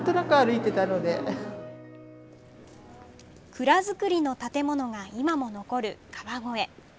蔵造りの建物が今も残る川越。